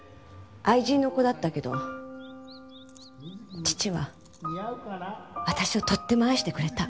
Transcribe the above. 愛人の子だったけど父は私をとっても愛してくれた。